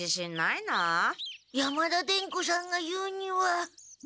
山田伝子さんが言うには。